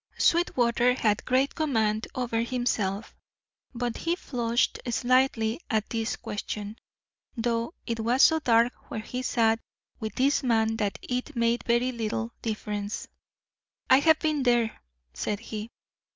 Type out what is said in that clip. Sweetwater had great command over himself, but he flushed slightly at this question, though it was so dark where he sat with this man that it made very little difference. "I have been there," said he.